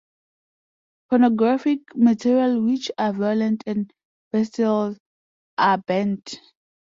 Pornographic material which are violent and bestial are banned.